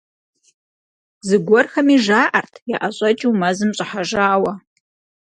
Зыгуэрхэми жаӏэрт яӏэщӏэкӏыу мэзым щӏыхьэжауэ.